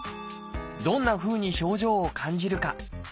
どんなふうに症状を感じるか。